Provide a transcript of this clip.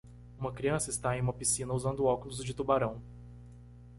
Uma criança está em uma piscina usando óculos de tubarão.